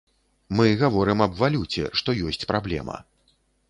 Мы гаворым аб валюце, што ёсць праблема.